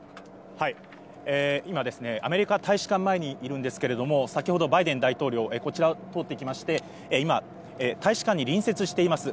今ですね、アメリカ大使館前にいるんですけれども、先ほど、バイデン大統領、こちら、通ってきまして、今、大使館に隣接しています